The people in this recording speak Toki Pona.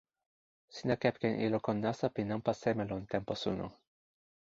sina kepeken ilo kon nasa pi nanpa seme lon tenpo suno.